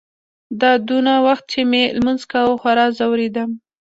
دا دونه وخت چې مې لمونځ کاوه خورا ځورېدم.